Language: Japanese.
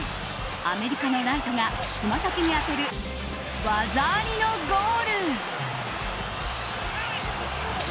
アメリカのナイトがつま先に当てる技ありのゴール。